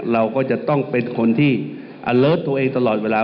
เราก็จะต้องเป็นคนที่อเลิศตัวเองตลอดเวลา